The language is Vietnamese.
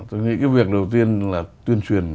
tôi nghĩ cái việc đầu tiên là tuyên truyền